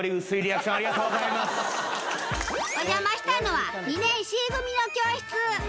お邪魔したのは２年Ｃ組の教室。